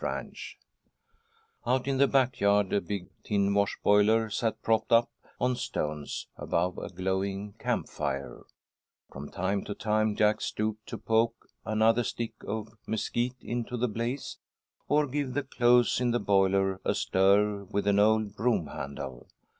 [Illustration: "'WE ALLEE SAMEE LAK CHINAMEN,' HE SAID"] Out in the back yard a big tin wash boiler sat propped up on stones, above a glowing camp fire. From time to time Jack stooped to poke another stick of mesquite into the blaze, or give the clothes in the boiler a stir with an old broom handle.